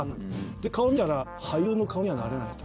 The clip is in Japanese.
で顔見たら俳優の顔にはなれないと。